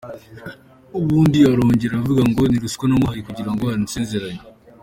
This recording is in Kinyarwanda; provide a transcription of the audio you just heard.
Ubundi arongera aravuga ngo ni ruswa namuhaye kugirango ansezeranye.